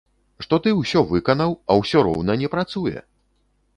Што ты ўсё выканаў, а ўсё роўна не працуе!